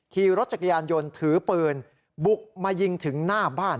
ขี่รถจักรยานยนต์ถือปืนบุกมายิงถึงหน้าบ้าน